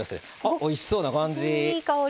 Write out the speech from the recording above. おいしそうな感じ。